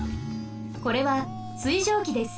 これは水蒸気です。